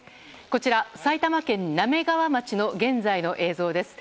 こちら埼玉県滑川町の現在の映像です。